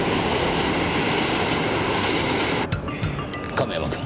亀山君。